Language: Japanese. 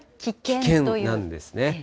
危険なんですね。